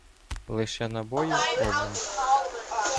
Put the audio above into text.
Лише набоїв — обмаль.